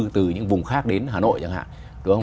từ những vùng khác đến hà nội chẳng hạn đúng không